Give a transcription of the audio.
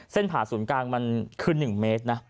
เส้นผ่าศูนย์กลางมันขึ้น๑เมตรนะ